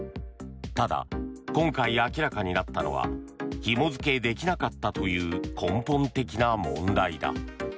ただ、今回明らかになったのはひも付けできなかったという根本的な問題だ。